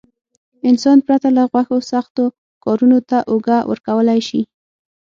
انسان پرته له غوښو سختو کارونو ته اوږه ورکولای شي.